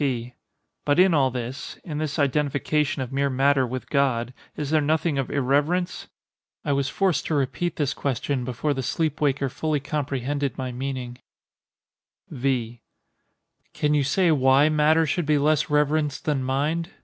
P. But in all this—in this identification of mere matter with God—is there nothing of irreverence? [I was forced to repeat this question before the sleep waker fully comprehended my meaning.] V. Can you say why matter should be less reverenced than mind?